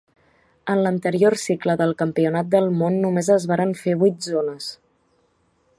En l'anterior cicle del campionat del món només es varen fer vuit zones.